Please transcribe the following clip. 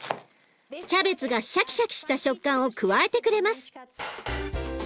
キャベツがシャキシャキした食感を加えてくれます。